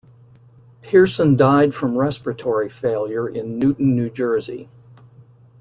Pierson died from respiratory failure in Newton, New Jersey.